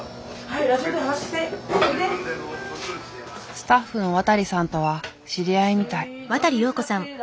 スタッフの渡さんとは知り合いみたい。